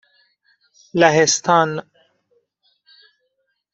لهستان